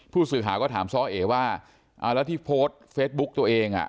ผู้สื่อข่าวก็ถามซ้อเอว่าแล้วที่โพสต์เฟซบุ๊กตัวเองอ่ะ